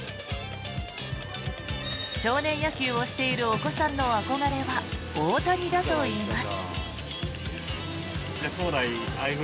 少年野球をしているお子さんの憧れは大谷だといいます。